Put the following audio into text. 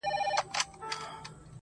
له ظالم څخه به څنگه په امان سم٫